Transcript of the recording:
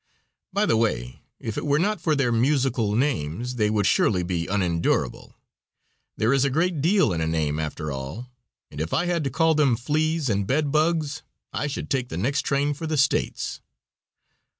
By the way, if it were not for their musical names they would surely be unendurable. There is a great deal in a name, after all, and if I had to call them fleas and bedbugs I should take the next train for the States.